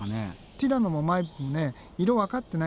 ティラノもマイプもね色わかってないんだよね。